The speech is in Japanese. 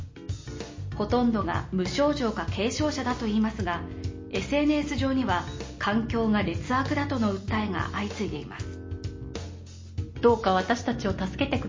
ほとんどが無症状か軽症者だといいますがＳＮＳ上には、環境が劣悪だとの訴えが相次いでいます。